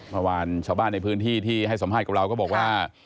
เมื่อวานชาวบ้านในพื้นที่ที่ให้สัมภาษณ์กับเราก็บอกว่า